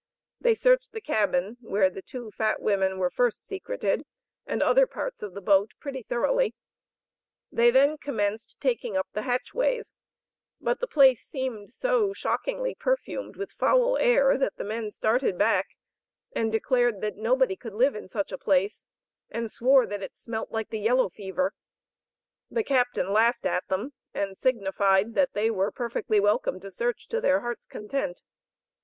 They searched the cabin where the two fat women were first secreted, and other parts of the boat pretty thoroughly. They then commenced taking up the hatchways, but the place seemed so shockingly perfumed with foul air that the men started back and declared that nobody could live in such a place, and swore that it smelt like the yellow fever; the Captain laughed at them, and signified that they were perfectly welcome to search to their hearts' content.